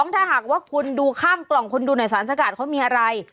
ถ้าหากว่าคุณดูข้างกล่องคุณดูหน่อยสารสกัดเขามีอะไร